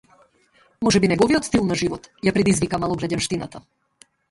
Можеби неговиот стил на живот ја предизвика малограѓанштината?